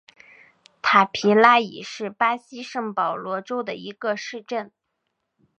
塔皮拉伊是巴西圣保罗州的一个市镇。